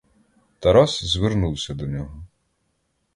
Тарас звернувся до нього.